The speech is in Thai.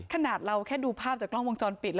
ขนาดเราแค่ดูภาพจากกล้องวงจรปิด